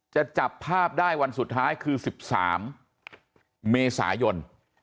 จับภาพได้วันสุดท้ายคือ๑๓เมษายน